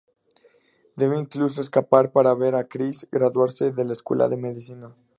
Debe incluso escapar para ver a Chris graduarse de la escuela de medicina.